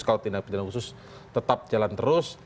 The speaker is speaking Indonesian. kalau tindak pidana khusus tetap jalan terus